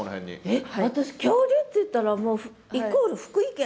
えっ私恐竜っていったらもうイコール福井県。